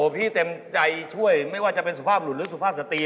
พี่เต็มใจช่วยไม่ว่าจะเป็นสุภาพหลุดหรือสุภาพสตรี